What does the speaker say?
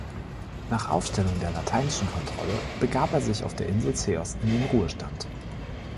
Nach Aufstellung der lateinischen Kontrolle, begab er sich auf der Insel Ceos in den Ruhestand.